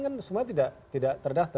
kan semuanya tidak terdaftar